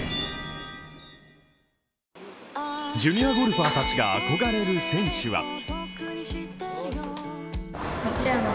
ジュニアゴルファーたちが憧れる選手は？